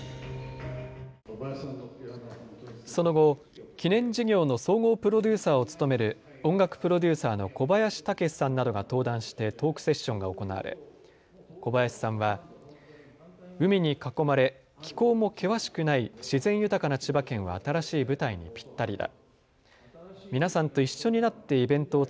その後、記念事業の総合プロデューサーを務める音楽プロデューサーの小林武史さんなどが登壇してトークセッションが行われ小林さんは、海に囲まれ気候も険しくない自然豊かな千葉県は新しい舞台にぴったりだ。